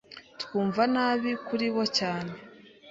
Twumva nabi kuri bo cyane.